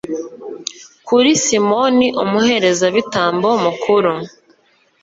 kuri simoni, umuherezabitambo mukuru